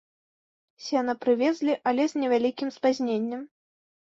Сена прывезлі, але з невялікім спазненнем.